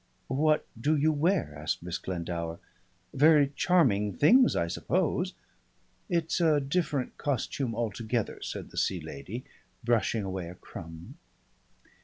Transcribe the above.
"What do you wear?" asked Miss Glendower. "Very charming things, I suppose." "It's a different costume altogether," said the Sea Lady, brushing away a crumb.